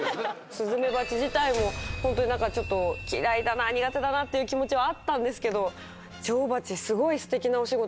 スズメバチ自体も本当に何かちょっと嫌いだな苦手だなっていう気持ちはあったんですけど女王蜂すごいすてきなお仕事